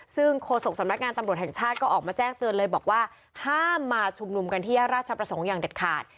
ซึ่งโฆษกสำนักงานตำรวจแห่งชาติก็ออกมาแจ้งเตือนเลยบอกว่าห้ามมาชุมนุมกันที่แยกราชประสงค์อย่างเด็ดขาด